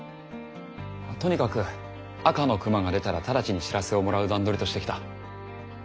とにかく赤の熊が出たら直ちに知らせをもらう段取りとしてきた。